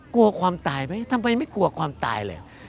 กลัวความตายไหมทำไมไม่กลัวความตายเลย